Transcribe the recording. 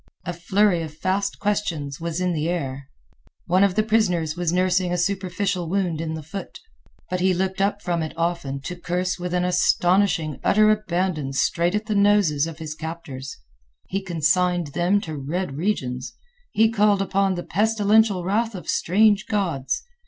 A flurry of fast questions was in the air. One of the prisoners was nursing a superficial wound in the foot. He cuddled it, baby wise, but he looked up from it often to curse with an astonishing utter abandon straight at the noses of his captors. He consigned them to red regions; he called upon the pestilential wrath of strange gods.